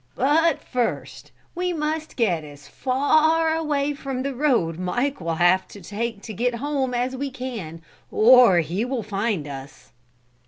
But first we must get as far away from the road Mike will have to take to get home as we can, or he will find us."